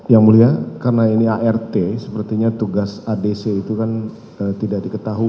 yang mulia karena ini art sepertinya tugas adc itu kan tidak diketahui